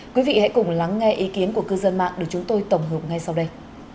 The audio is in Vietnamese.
quý vị hãy cùng lắng nghe ý kiến của cư dân mạng để chúng tôi tổng hợp ngay sau đây